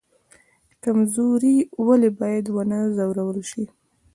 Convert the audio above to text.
کمزوری ولې باید ونه ځورول شي؟